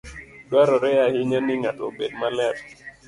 Dwarore ahinya ni ng'ato obed maler.